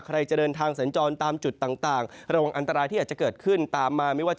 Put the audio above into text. ใครจะเดินทางสัญจรตามจุดต่างระวังอันตรายที่อาจจะเกิดขึ้นตามมาไม่ว่าจะ